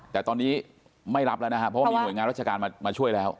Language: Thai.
แต่ตอนนี้ไม่รับแล้วนะครับเพราะว่ามีหน่วยงานราชการมาช่วยแล้ว